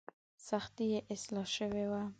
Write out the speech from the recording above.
سختي یې اصلاح شوې وه.